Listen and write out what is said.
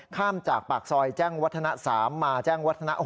ข้ามจากปากซอยแจ้งวัฒนะ๓มาแจ้งวัฒนะ๖